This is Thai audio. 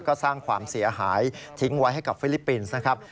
ก็สร้างความเสียหายทิ้งไว้ให้กับฟิลิปปินส์นะครับ